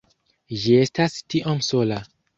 Ĝi estas tiom sola